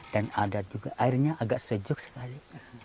dan ada juga airnya agak sejuk sekali